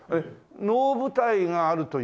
能舞台があるという事ですか？